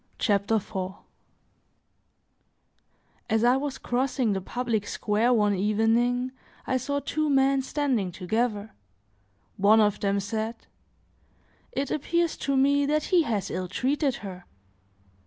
CHAPTER IV AS I was crossing the public square one evening, I saw two men standing together; one of them said: "It appears to me that he has ill treated her."